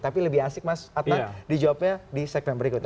tapi lebih asik mas adnan dijawabnya di segmen berikut